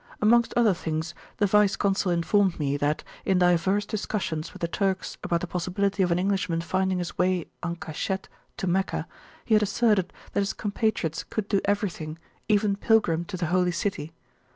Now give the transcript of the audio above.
Amongst other things, the Vice Consul informed me that, in divers discussions with the Turks about the possibility of an Englishman finding his way en cachette to Meccah, [p.267] he had asserted that his compatriots could do everything, even pilgrim to the Holy City.